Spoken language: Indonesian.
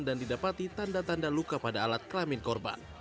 dan didapati tanda tanda luka pada alat kelamin korban